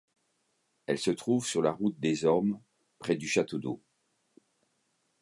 Elle se trouve sur la route des Ormes, près du château d'eau.